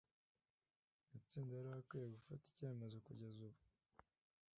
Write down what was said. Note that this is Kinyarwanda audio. Mitsindo yari akwiye gufata icyemezo kugeza ubu.